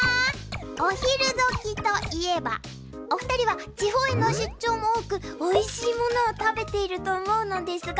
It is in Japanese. お昼時といえばお二人は地方への出張も多くおいしいものを食べていると思うのですが。